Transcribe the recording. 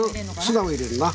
ツナを入れるな。